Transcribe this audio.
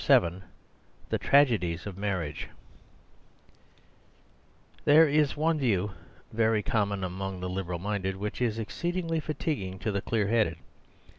— The Tragedies of Marriage THERE is one view very common among the liberal minded which is exceedingly fatiguing to the clear headed.